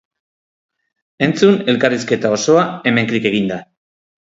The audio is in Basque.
Entzun elkarrizketa osoa hemen klik eginda.